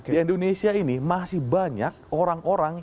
di indonesia ini masih banyak orang orang